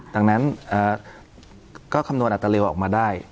ดังนั้นก็คำนวณอัตเร็วออกมาได้